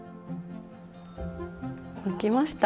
できました！